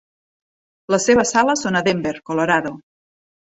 Les seves sales són a Denver (Colorado).